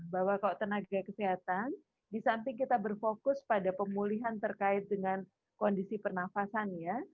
bahwa kalau tenaga kesehatan disamping kita berfokus pada pemulihan terkait dengan kondisi pernafasannya